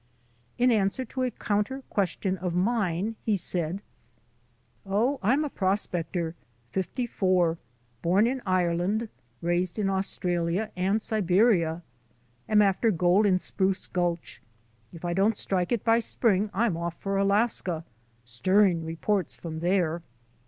In answer to a counter question of mine he said: "Oh, I'm a prospector, fifty four, born in Ire land, raised in Australia and Siberia. Am after gold WINTER MOUNTAINEERING 61 in Spruce Gulch. If I don't strike it by spring I'm off for Alaska. Stirring reports from there.